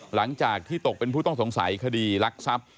หลังจากที่ตกเป็นผู้ต้องสงสัยคดีรักทรัพย์